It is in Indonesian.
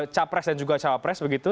capres dan juga cawapres begitu